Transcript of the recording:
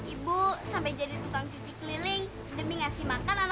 ibu sampai jadi tukang cuci keliling demi ngasih makan apa